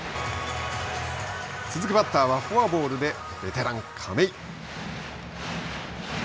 続くバッターはフォアボールでベテラン亀井。